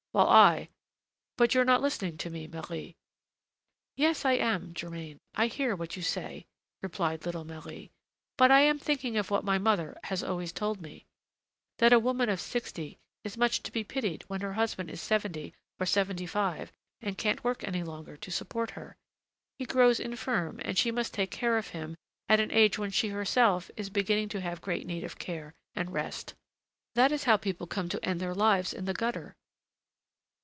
While I But you're not listening to me, Marie." "Yes, I am, Germain, I hear what you say," replied little Marie; "but I am thinking of what my mother has always told me: that a woman of sixty is much to be pitied when her husband is seventy or seventy five and can't work any longer to support her. He grows infirm, and she must take care of him at an age when she herself is beginning to have great need of care and rest. That is how people come to end their lives in the gutter."